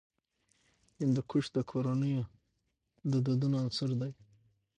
هندوکش د کورنیو د دودونو عنصر دی.